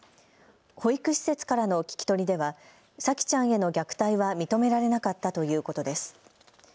保育施設からの聞き取りでは沙季ちゃんへの虐待は認められなかったということです。